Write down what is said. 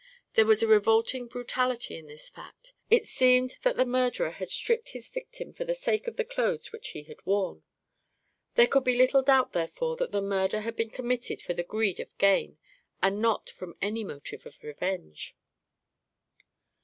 There was a revolting brutality in this fact. It seemed that the murderer had stripped his victim for the sake of the clothes which he had worn. There could be little doubt, therefore, that the murder had been committed for the greed of gain, and not from any motive of revenge.